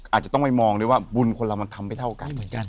อาจจะต้องไปมองด้วยว่าบุญคนเรามันทำไม่เท่ากันเหมือนกัน